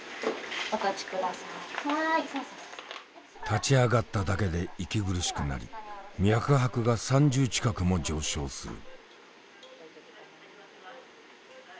立ち上がっただけで息苦しくなり脈拍が３０近くも上昇する。